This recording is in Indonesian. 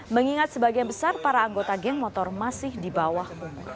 mengingat sebagian besar para anggota geng motor masih di bawah